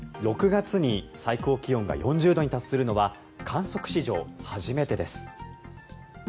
６月に最高気温が４０度に達するのは観測史上初めてです。